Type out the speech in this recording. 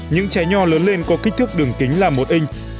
những trái nho lớn lên có kích thước đường kính là một inh